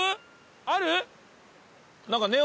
ある？